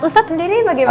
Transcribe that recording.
ustadz sendiri bagaimana